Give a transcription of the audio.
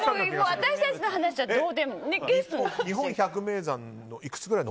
私たちの話はどうでもいい。